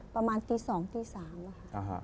ประมาณตี๒๓แล้วค่ะ